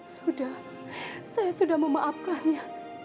sudah saya sudah memaafkannya